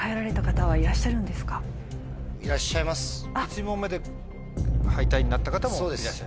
１問目で敗退になった方もいらっしゃいます。